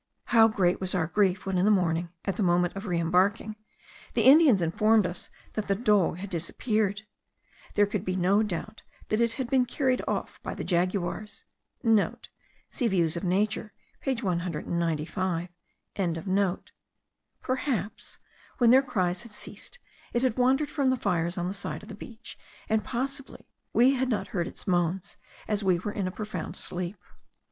how great was our grief, when in the morning, at the moment of re embarking, the Indians informed us that the dog had disappeared! There could be no doubt that it had been carried off by the jaguars.* (* See Views of Nature page 195.) Perhaps, when their cries had ceased, it had wandered from the fires on the side of the beach; and possibly we had not heard its moans, as we were in a profound sleep.